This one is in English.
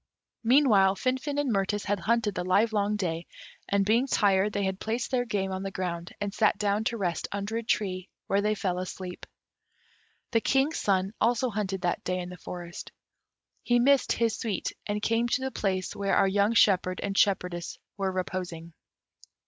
Meanwhile Finfin and Mirtis had hunted the livelong day, and, being tired, they had placed their game on the ground, and sat down to rest under a tree, where they fell asleep. The King's son also hunted that day in the forest. He missed his suite, and came to the place where our young shepherd and shepherdess were reposing.